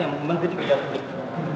yang menderbit kejahatan publik